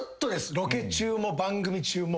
ロケ中も番組中も。